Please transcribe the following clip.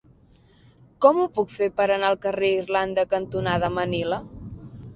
Com ho puc fer per anar al carrer Irlanda cantonada Manila?